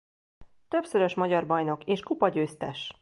Többszörös magyar bajnok és kupagyőztes.